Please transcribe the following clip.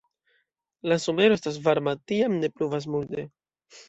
La somero estas varma, tiam ne pluvas multe.